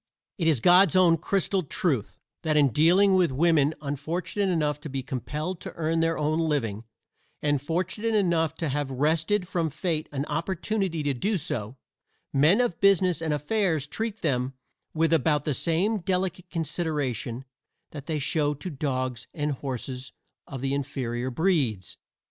It is God's own crystal truth that in dealing with women unfortunate enough to be compelled to earn their own living and fortunate enough to have wrested from Fate an opportunity to do so, men of business and affairs treat them with about the same delicate consideration that they show to dogs and horses of the inferior breeds.